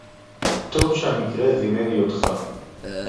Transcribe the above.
טוב שהמקרה זימן לי אותך.